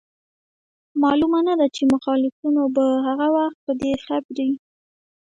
معلومه نه ده چي مخالفينو به هغه وخت په دې خبري